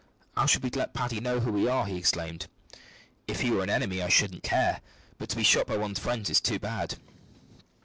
How shall we let Paddy know who we are?" he exclaimed. "If he were an enemy, I shouldn't care, but to be shot by one's friends is too bad."